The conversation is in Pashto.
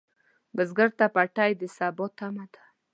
بزګر ته پټی د سبا تمه ده